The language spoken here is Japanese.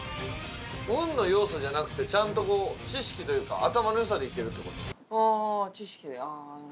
運の要素じゃなくてちゃんとこう知識というか頭の良さでいけるって事や。